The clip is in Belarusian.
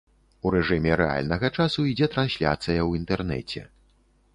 У рэжыме рэальнага часу ідзе трансляцыя ў інтэрнэце.